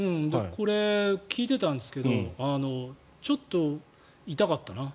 これ、聞いてたんですけどちょっといたかったな。